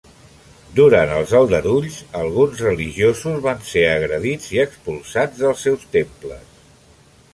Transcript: Durant els aldarulls alguns religiosos van ser agredits i expulsats dels seus temples.